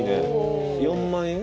４万円？